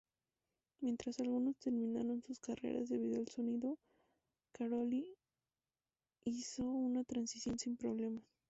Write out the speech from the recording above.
Mientras algunos terminaron sus carreras debido al sonido, Carole hizo una transición sin problemas.